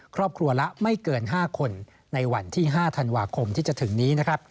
ครอบครัวละไม่เกิน๕คนในวันที่๕ธันวาคมที่จะถึงนี้นะครับ